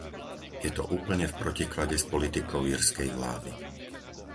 Je to úplne v protiklade s politikou írskej vlády.